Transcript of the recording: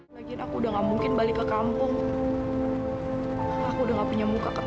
terima kasih ya mas mbak